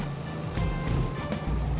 oh seperti itu